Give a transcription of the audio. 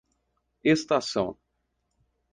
Estação